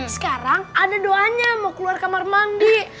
sekarang ada doanya mau keluar kamar mandi